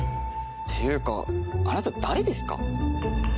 っていうかあなた誰ですか？